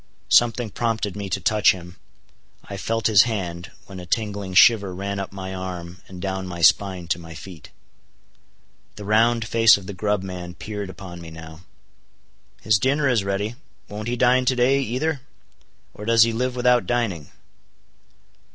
Something prompted me to touch him. I felt his hand, when a tingling shiver ran up my arm and down my spine to my feet. The round face of the grub man peered upon me now. "His dinner is ready. Won't he dine to day, either? Or does he live without dining?"